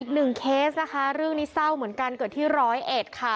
เคสนะคะเรื่องนี้เศร้าเหมือนกันเกิดที่ร้อยเอ็ดค่ะ